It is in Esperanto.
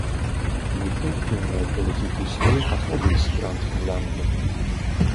Multaj finnaj politikistoj apogis Grandfinnlandon.